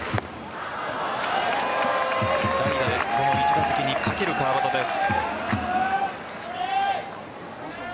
代打でこの一打席にかける川端です。